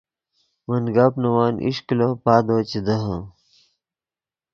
من گپ نے ون ایش کلو پادو چے دیہے